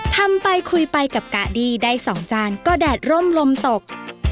ทำไปคุยไปกับกะดีได้๒จานก็แดดร่มลมตก